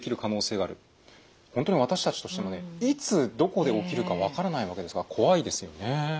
本当に私たちとしてもねいつどこで起きるか分からないわけですから怖いですよね。